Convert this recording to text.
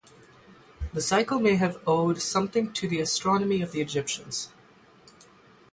The cycle may have owed something to the astronomy of the Egyptians.